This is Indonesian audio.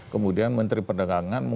kemudian menteri perdagangan